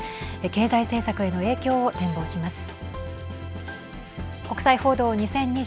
経済政策への影響を展望します。